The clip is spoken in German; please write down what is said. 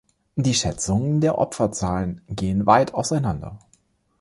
Die Schätzungen der Opferzahlen gehen weit auseinander.